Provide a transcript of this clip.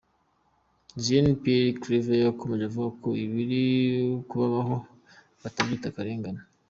Zitoni Pierre Claver yakomeje avuga ko ibiri kubabaho batabyita akarengane.